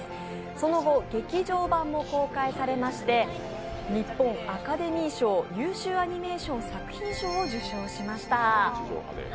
その後、劇場版も公開されまして日本アカデミー賞優秀アニメーション作品賞を受賞しました。